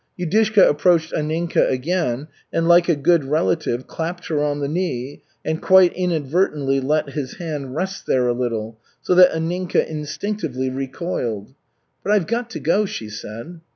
Yudushka approached Anninka again and like a good relative clapped her on the knee and quite inadvertently let his hand rest there a little, so that Anninka instinctively recoiled. "But I've got to go," she said.